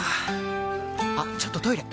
あっちょっとトイレ！